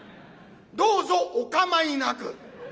「どうぞお構いなく」。